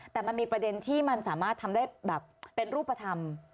แต่มันมีประเด็นที่มันสามารถทำได้แบบเป็นรูปธรรม